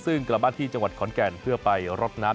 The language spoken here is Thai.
ซึ่งกลับบ้านที่จังหวัดขอนแก่นเพื่อไปรดน้ำ